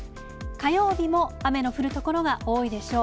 火曜日も雨の降る所が多いでしょう。